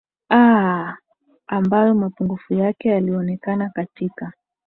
aaa ambayo mapungufu yake yalionekana katika